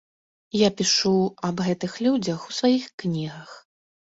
Я пішу аб гэтых людзях у сваіх кнігах.